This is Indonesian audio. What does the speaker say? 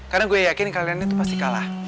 karena gue yakin kalian itu pasti kalah